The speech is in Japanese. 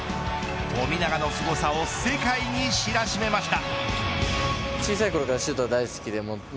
富永のすごさを世界に知らしめました。